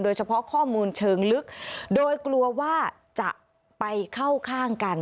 เฉพาะข้อมูลเชิงลึกโดยกลัวว่าจะไปเข้าข้างกัน